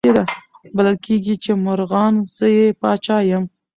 بلل کیږي چي مرغان زه یې پاچا یم